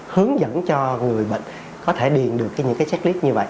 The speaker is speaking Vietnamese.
hướng dẫn cho người bệnh có thể điền được những cái checklist như vậy